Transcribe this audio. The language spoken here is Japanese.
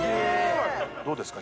どうですか？